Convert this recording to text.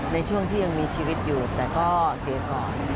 ในช่วงที่ยังมีชีวิตอยู่แต่ก็เสียก่อน